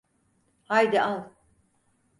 Haydi al.